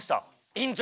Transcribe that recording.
院長